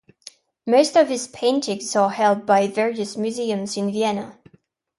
Most of his paintings are held by various museums in Vienna.